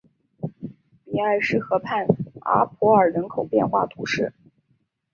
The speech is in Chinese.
比埃什河畔阿普尔人口变化图示